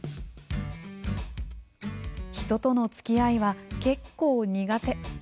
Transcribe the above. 「人との付き合いは、結構苦手」。